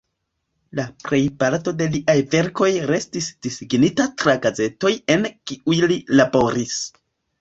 La plej parto de liaj verkoj restis disigita tra gazetoj en kiuj li laboris.